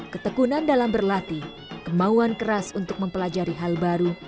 ketekunan dalam berlatih kemauan keras untuk mempelajari hal baru